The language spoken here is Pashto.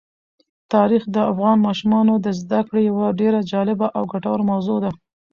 تاریخ د افغان ماشومانو د زده کړې یوه ډېره جالبه او ګټوره موضوع ده.